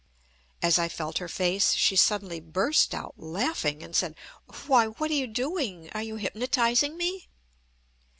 As I felt her face, she suddenly burst out laughing and said: "Why! what are you doing? Are you hypnotising me?"